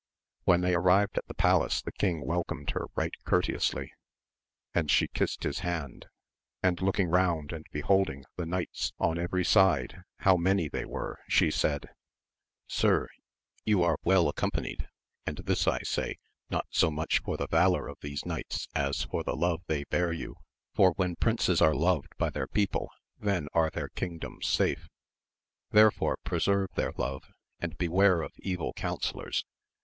When they arrived at the palace the king welcomed her right courteously, and she kissed his hand ; and looking round and beholding the knights on every side how 76 AMADIS OF GAUL. many they were, she said, Sir, you are well accom panied, and this I say, not so much for the valour of these knights as for the love they bear you, for when princes are loved by their people then are their king doms safe. Therefore preserve their love, and be ware of evil counsellors